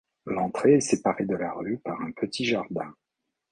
L'entrée est séparée de la rue par un petit jardin.